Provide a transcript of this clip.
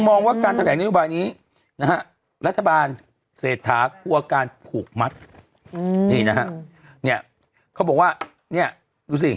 มองว่าการแถลงนโยบายนี้นะฮะรัฐบาลเศรษฐากลัวการผูกมัดนี่นะฮะเนี่ยเขาบอกว่าเนี่ยดูสิ